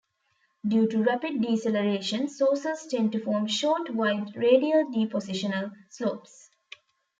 Due to rapid deceleration, saucers tend to form short, wide, radial depositional slopes.